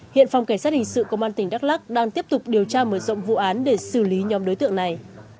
hiện phòng cảnh sát hình sự công an tỉnh đắk lắc đang tiếp tục điều tra mở rộng vụ án để xử lý nhóm đối tượng này